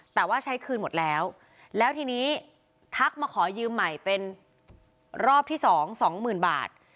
แต่ว่าใช้คืนหมดแล้วแล้วทีนี้ทักมาขอยืมใหม่เป็นรอบที่สองสองหมื่นบาท